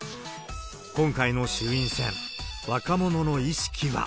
今回の衆院選、若者の意識は。